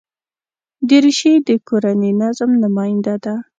دریشي د کورني نظم نماینده ده.